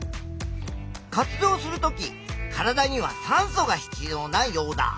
活動するとき体には酸素が必要なヨウダ。